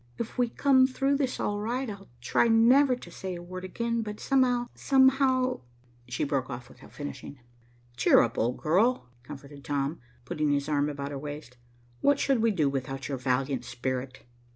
"If we come through this all right, I'll try never to say a word again, but somehow, somehow " She broke off without finishing. "Cheer up, old girl," comforted Tom, putting his arm about her waist. "What should we do without your valiant spirit?"